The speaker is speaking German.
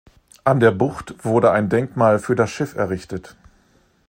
An der Bucht wurde ein Denkmal für das Schiff errichtet.